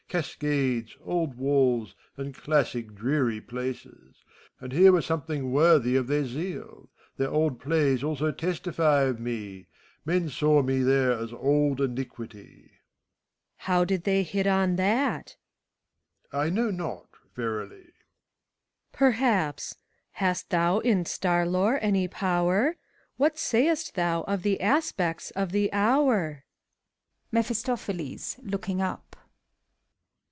Cascades, old walls, and classic dreary places; And here were something worthy of their zeal. Their Old Plays also testify of me; Men saw me liiere as ''Old Iniqidly." SPHINX. How did they hit on thatf MEPHISTOPHELES. I know not, verily. SPHINX. Perhaps! Hast thou in star lore any power f What say'st thou of the aspects of the hourf MEPHISTOPHELES {looking up).